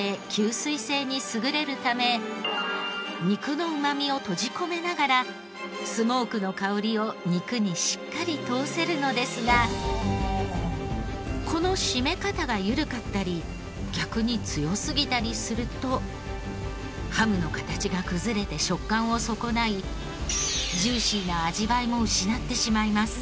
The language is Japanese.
肉のうまみを閉じ込めながらスモークの薫りを肉にしっかり通せるのですがこの締め方が緩かったり逆に強すぎたりするとハムの形が崩れて食感を損ないジューシーな味わいも失ってしまいます。